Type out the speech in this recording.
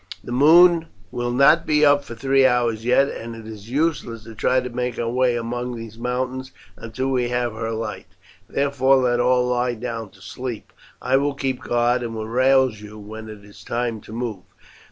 The moon will not be up for three hours yet, and it is useless to try to make our way among these mountains until we have her light, therefore let all lie down to sleep; I will keep guard and will rouse you when it is time to move."